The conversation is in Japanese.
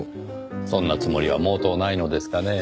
そんなつもりは毛頭ないのですがねぇ。